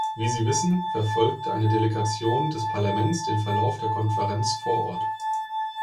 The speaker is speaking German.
Wie Sie wissen, verfolgte eine Delegation des Parlaments den Verlauf der Konferenz vor Ort.